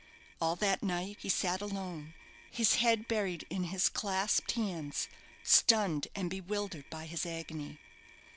All that night he sat alone, his head buried in his clasped hands, stunned and bewildered by his agony.